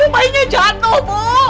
bayinya jatuh bu